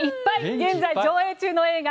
現在上映中の映画